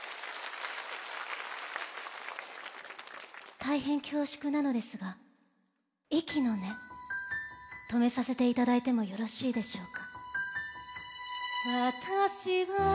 大変、恐縮なのですが息の根、止めさせていただいてもよろしいでしょうか。